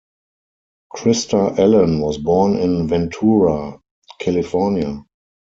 Krista Allen was born in Ventura, California.